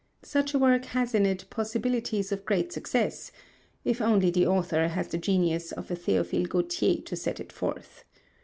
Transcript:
Such a work has in it possibilities of great success if only the author has the genius of a Théophile Gautier to set it forth.